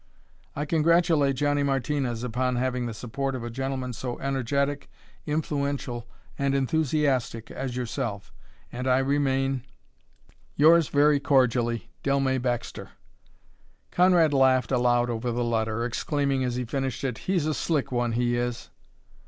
"I congratulate Johnny Martinez upon having the support of a gentleman so energetic, influential, and enthusiastic as yourself, and I remain, "Yours very cordially, "DELLMEY BAXTER." Conrad laughed aloud over the letter, exclaiming as he finished it, "He's a slick one, he is!"